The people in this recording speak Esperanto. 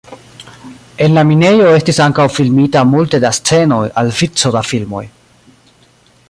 En la minejo estis ankaŭ filmita multe da scenoj al vico da filmoj.